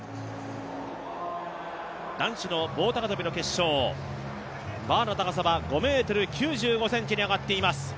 男子の棒高跳の決勝、バーの高さは５ｍ９５ｃｍに上がっています。